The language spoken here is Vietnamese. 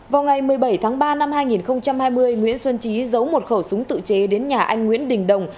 vào ngày một mươi bảy tháng ba năm hai nghìn hai mươi nguyễn xuân trí giấu một khẩu súng tự chế đến nhà anh nguyễn đình đồng